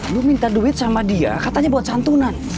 lu minta duit sama dia katanya buat santunan